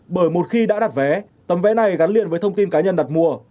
bởi một khi đã đặt vé tấm vé này gắn liền với thông tin cá nhân đặt mua